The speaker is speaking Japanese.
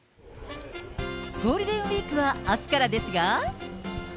ゴールデンウィークはあすからですが。